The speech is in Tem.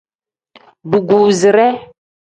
Dugusire.